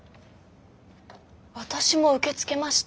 私も受け付けました。